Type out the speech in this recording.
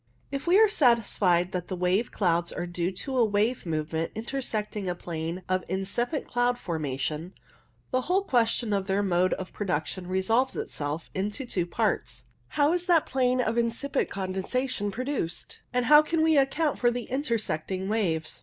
If we are satisfied that the wave clouds are due to a wave movement intersecting a plane of in cipient cloud formation, the whole question of their mode of production resolves itself into two parts — how is that plane of incipient condensation produced? and how can we account for the intersecting waves